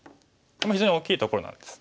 非常に大きいところなんです。